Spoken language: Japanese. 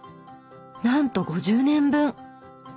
なんと５０年分！